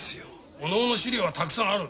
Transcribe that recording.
お能の資料はたくさんある。